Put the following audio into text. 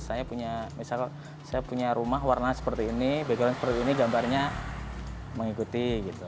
saya punya rumah warna seperti ini begelan seperti ini gambarnya mengikuti